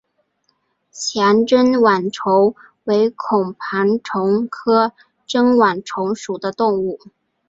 强针网虫为孔盘虫科针网虫属的动物。